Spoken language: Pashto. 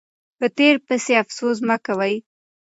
په تیر پسې افسوس مه کوئ.